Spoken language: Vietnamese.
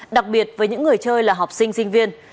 đặc biệt với những người chơi là học sinh sinh viên